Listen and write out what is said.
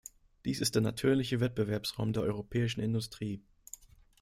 Dies ist der natürliche Wettbewerbsraum der europäischen Industrie.